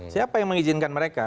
siapa yang mengizinkan mereka